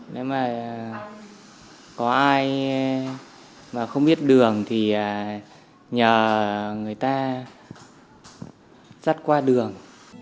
nếu mà có ai mà không biết đường thì nhờ người ta dắt qua đường